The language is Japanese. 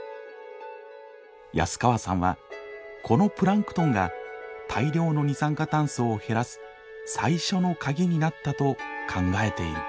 安川さんはこのプランクトンが大量の二酸化炭素を減らす最初のカギになったと考えている。